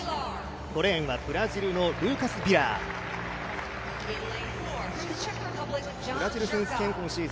５レーンはブラジルのルーカス・ビラー。